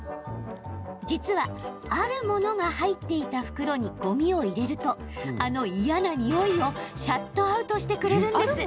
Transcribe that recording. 実は、あるものが入っていた袋にごみを入れるとあの嫌なにおいをシャットアウトしてくれるんです。